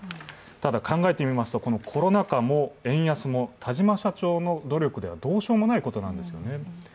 ただ考えてみますと、このコロナ禍も円安も田島社長の努力ではどうしようもないことなんですよね。